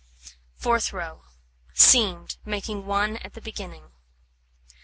Fourth row: Seamed, making 1 at the beginning.